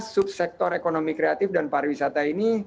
tujuh belas subsektor ekonomi kreatif dan pariwisata ini